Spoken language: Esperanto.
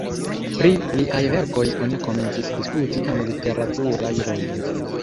Pri liaj verkoj oni komencis diskuti en literaturaj rondoj.